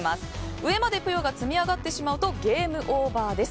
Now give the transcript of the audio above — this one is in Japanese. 上までぷよが積み上がってしまうとゲームオーバーです。